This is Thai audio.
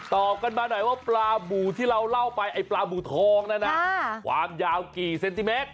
ตอบกันมาหน่อยว่าปลาบู่ที่เราเล่าไปไอ้ปลาบูทองนั้นนะความยาวกี่เซนติเมตร